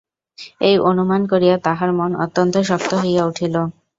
এই অনুমান করিয়া তাহার মন অত্যন্ত শক্ত হইয়া উঠিল।